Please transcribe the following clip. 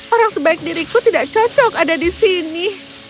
orang sebaik diriku tidak cocok ada di sini